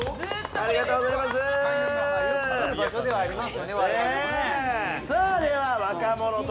ありがとうございます。